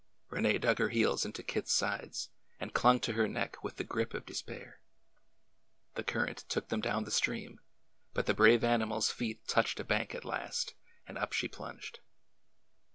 Rene dug her heels into Kit's sides, and clung to her neck with the grip of de spair. The current took them down the stream, but the brave animal's feet touched a bank at last, and up she plunged.